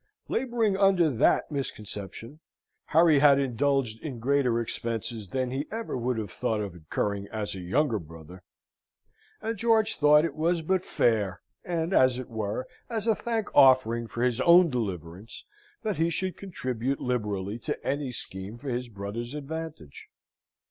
Labouring under that misconception, Harry had indulged in greater expenses than he ever would have thought of incurring as a younger brother; and George thought it was but fair, and as it were, as a thank offering for his own deliverance, that he should contribute liberally to any scheme for his brother's advantage.